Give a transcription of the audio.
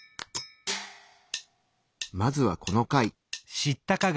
まずはこの貝。